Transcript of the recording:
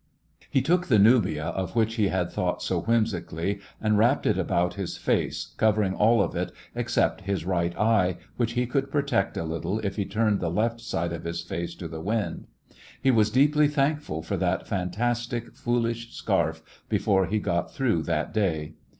He took the nubia of which he had thought so whimsically and wrapped it about his face, covering all of it except his right eye, which he could protect a little if he turned the left side of his face to the wind. He was deeply thankful for that fantastic, foolish scarf before he got through that day.